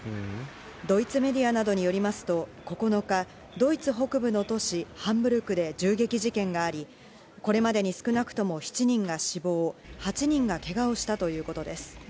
ドイツメディアなどによりますと、９日、ドイツ北部の都市ハンブルクで銃撃事件があり、これまでに少なくとも７人が死亡、８人がけがをしたということです。